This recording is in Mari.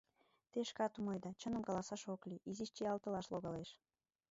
Те шкат умыледа, чыным каласаш ок лий, изиш чиялтылаш логалеш.